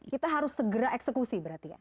kita harus segera eksekusi berarti ya